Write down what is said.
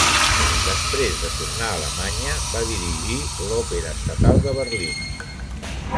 Després de tornar a Alemanya, va dirigir l'Òpera estatal de Berlín.